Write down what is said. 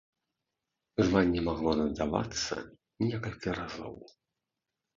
Званне магло надавацца некалькі разоў.